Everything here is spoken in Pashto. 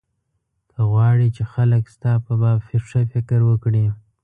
که غواړې چې خلک ستا په باب ښه فکر وکړي.